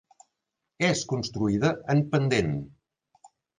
És construïda en pendent.